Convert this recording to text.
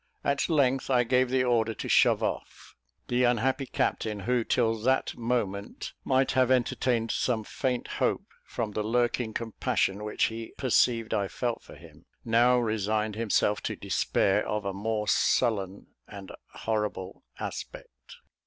At length, I gave the order to shove off. The unhappy captain, who, till that moment, might have entertained some faint hope from the lurking compassion which he perceived I felt for him, now resigned himself to despair of a more sullen and horrible aspect.